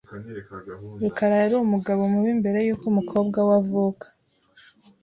rukara yari umugabo mubi mbere yuko umukobwa we avuka .